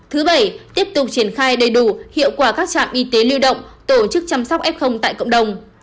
thứ bảy tiếp tục triển khai đầy đủ hiệu quả các trạm y tế lưu động tổ chức chăm sóc f tại cộng đồng